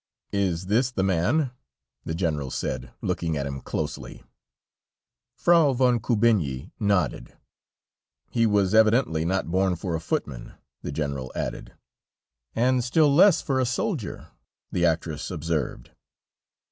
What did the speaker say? "Is this the man?" the General said, looking at him closely. Frau von Kubinyi nodded. "He was evidently not born for a footman," the General added. "And still less for a soldier," the actress observed.